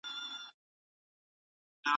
هغه د وطن خپلواکۍ ته ژمن و